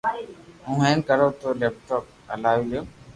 تو ھون بي ڪرو ني ڪو ليپ ٽام ھلاوي ليو